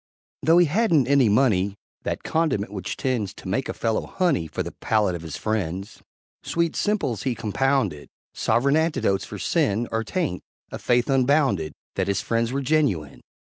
Though he hadn't any money That condiment which tends To make a fellow "honey" For the palate of his friends; Sweet simples he compounded Sovereign antidotes for sin Or taint, a faith unbounded That his friends were genuine.